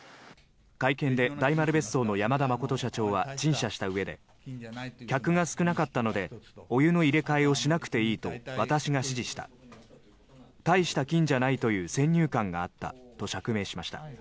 会見で大丸別荘の山田真社長は陳謝したうえで客が少なかったのでお湯の入れ替えをしなくていいと私が指示した大した菌じゃないという先入観があったと釈明しました。